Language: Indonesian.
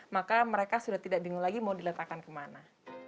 maka mereka sudah tidak bingung lagi mau diletakkan kemana